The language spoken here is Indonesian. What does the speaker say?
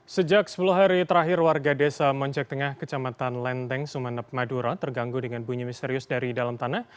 sejak sepuluh hari terakhir warga desa moncek tengah kecamatan lenteng sumeneb madura terganggu dengan bunyi misterius dari dalam tanah